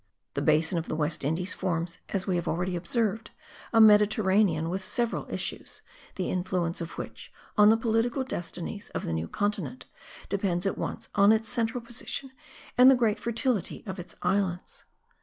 The basin of the West Indies forms, as we have already observed, a Mediterranean with several issues, the influence of which on the political destinies of the New Continent depends at once on its central position and the great fertility of its islands.